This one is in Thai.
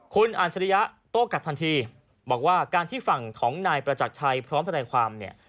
คุณอัจฉริยะโต้กลับทันทีบอกว่าการที่ฝั่งของนายประจักรชัยพร้อมทนายความเนี่ย